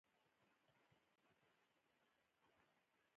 له دويم موټر څخه د ډاکټر حشمتي کورنۍ ښکته شوه.